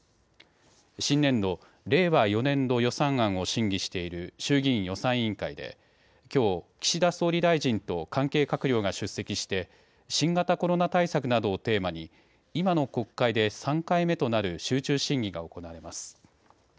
新年度、令和４年度予算案を審議している衆議院予算委員会できょう、岸田総理大臣と関係閣僚が出席して新型コロナ対策などをテーマに今の国会で３回目となる集中審議が行われます。